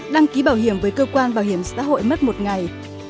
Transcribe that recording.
đăng ký bảo hiểm với cơ quan bảo hiểm xã hội mất một ngày